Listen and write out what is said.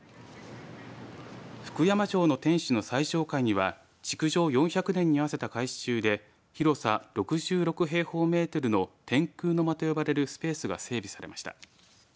福山城の天守の最上階には築城４００年に合わせた改修で広さ６６平方メートルの天空の間と呼ばれるスペースが整備されました。